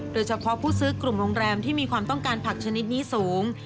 โดยเฉพาะผู้ซื้อกลุ่มโรงแรมที่มีความต้องการผักชนิดนี้สูง